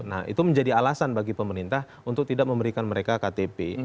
nah itu menjadi alasan bagi pemerintah untuk tidak memberikan mereka ktp